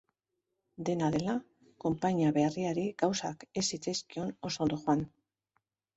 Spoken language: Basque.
Dena dela, konpainia berriari gauzak ez zitzaizkion oso ondo joan.